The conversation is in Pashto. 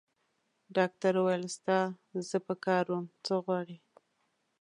ډاکټر وویل: ستا زه په کار وم؟ څه غواړې؟